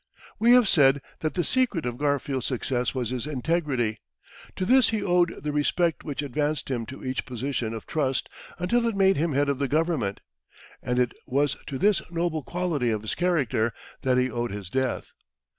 We have said that the secret of Garfield's success was his integrity. To this he owed the respect which advanced him to each position of trust until it made him head of the Government. And it was to this noble quality of his character that he owed his death.